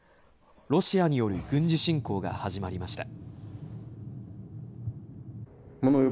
ロシアによる軍事侵攻が始まりました。